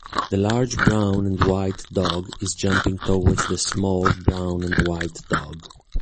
The large brown and white dog is jumping towards the small brown and white dog.